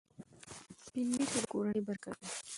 سپین ږیري د کورنۍ برکت وي.